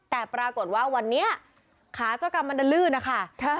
แต่ปรากฏว่าวันนี้ขาเจ้ากรรมมันดันลื่นนะคะ